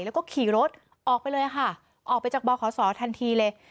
แล้วก็ขี่รถออกไปเลยค่ะออกไปจากบขศทันทีเลย